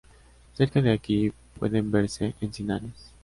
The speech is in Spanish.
Cerca de aquí pueden verse encinares.